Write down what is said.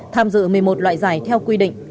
tham dự một mươi một loại giải theo quy định